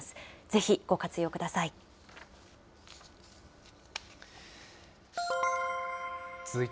ぜひご活用ください。